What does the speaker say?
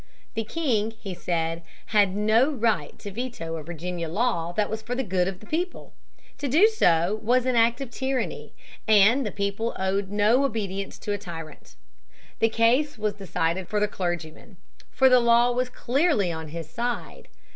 The king, he said, had no right to veto a Virginia law that was for the good of the people. To do so was an act of tyranny, and the people owed no obedience to a tyrant. The case was decided for the clergyman. For the law was clearly on his side.